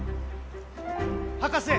・博士！